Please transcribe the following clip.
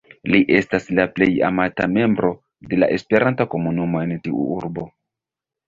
Li estas la plej amata membro de la esperanta komunumo en tiu urbo.